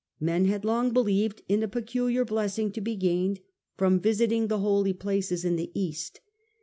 Men had long believed in a peculiar blessing to be gained from visiting the holy places in the East.